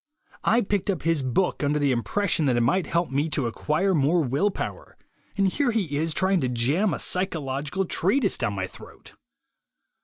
I picked up his book under the impression that it might help me to acquire more will power, and here he is trying to jam a psychological treatise down my throat."